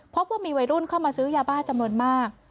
พบว่ามีวัยรุ่นเข้ามาซื้อยาบ้าจำนวนมาก